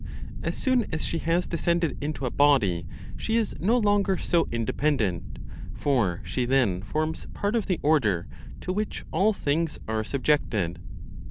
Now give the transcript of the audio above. As soon as she has descended into a body, she is no longer so independent, for she then forms part of the order to which all things are subjected.